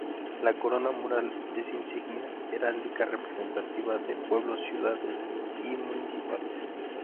La corona mural es insignia heráldica representativa de pueblos, ciudades y municipales.